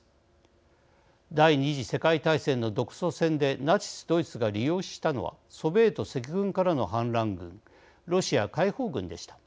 第２次世界大戦の独ソ戦でナチスドイツが利用したのはソビエト赤軍からの反乱軍ロシア解放軍でした。